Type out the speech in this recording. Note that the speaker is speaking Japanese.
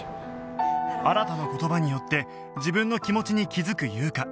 新の言葉によって自分の気持ちに気づく優香